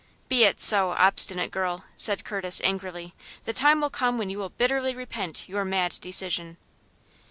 "Be it so, obstinate girl!" said Curtis, angrily. "The time will come when you will bitterly repent your mad decision."